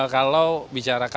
kalau bicara kabar